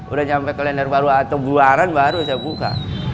udah sampai kalender baru atau buaran baru saya buka